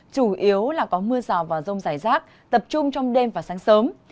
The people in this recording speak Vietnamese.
chủ yếu là có mưa rào vào rông giải rác tập trung trong đêm và sáng sớm